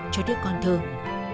cho đứa con thương